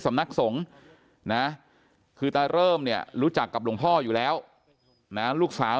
สำนักสงฆ์นะคือตาเริ่มเนี่ยรู้จักกับหลวงพ่ออยู่แล้วนะลูกสาว